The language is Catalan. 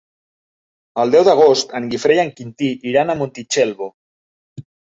El deu d'agost en Guifré i en Quintí iran a Montitxelvo.